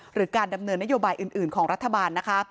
หรือการดำเนินนโยบายอื่นของรัฐบาลนะคะ